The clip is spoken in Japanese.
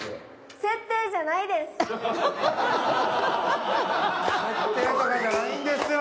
設定とかじゃないんですよ！